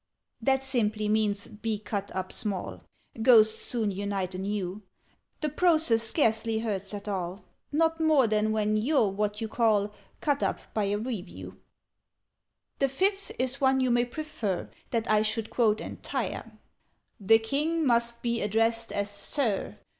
"That simply means 'be cut up small': Ghosts soon unite anew: The process scarcely hurts at all Not more than when you're what you call 'Cut up' by a Review. "The Fifth is one you may prefer That I should quote entire: _The King must be addressed as 'Sir.'